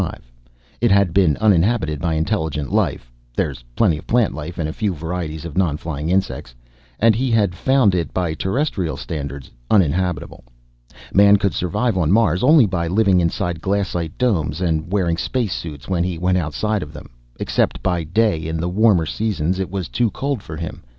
It had been uninhabited by intelligent life (there is plenty of plant life and a few varieties of non flying insects) and he had found it by terrestrial standards uninhabitable. Man could survive on Mars only by living inside glassite domes and wearing space suits when he went outside of them. Except by day in the warmer seasons it was too cold for him.